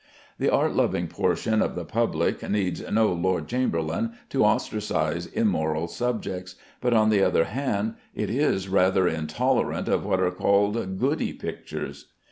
The art loving portion of the public needs no Lord Chamberlain to ostracise immoral subjects, but on the other hand, it is rather intolerant of what are called "goody" pictures.